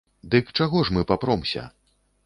Дык чаго ж мы папромся?